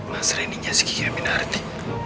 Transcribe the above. mas rendy nya sih kira kira minah rendy